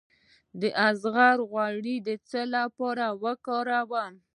د زغر غوړي د څه لپاره وکاروم؟